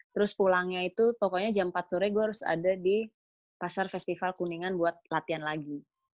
terus pulangnya itu pokoknya jam empat sore gue harus ada di pasar festival kuningan buat latihan lagi